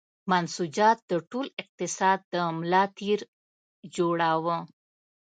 منسوجات د ټول اقتصاد د ملا تیر جوړاوه.